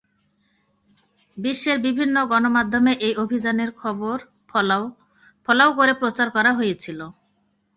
বিশ্বের বিভিন্ন গণমাধ্যমে এই অভিযানের খবর ফলাও করে প্রচার করা হয়েছিল।